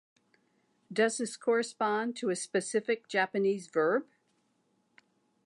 Does this correspond to a specific Japanese verb?